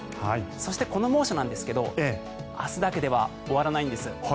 そして、この猛暑なんですが明日だけでは終わらないんです。